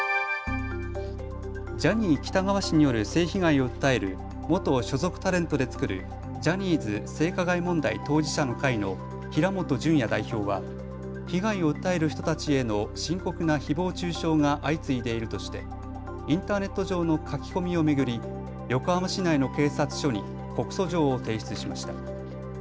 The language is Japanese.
ジャニー喜多川氏による性被害を訴える元所属タレントで作るジャニーズ性加害問題当事者の会の平本淳也代表は被害を訴える人たちへの深刻なひぼう中傷が相次いでいるとしてインターネット上の書き込みを巡り、横浜市内の警察署に告訴状を提出しました。